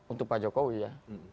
untuk pak jokowi ya